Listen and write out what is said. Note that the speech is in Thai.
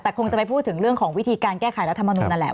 แต่คงจะไปพูดถึงเรื่องของวิธีการแก้ไขรัฐมนุนนั่นแหละ